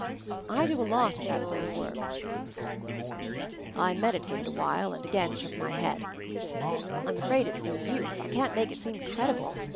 I do a lot of that sort of work." MOVING THE MOUNTAIN 251 I meditated awhile, and again shook my head. "I'm afraid it's no use. I can't make it seem credible.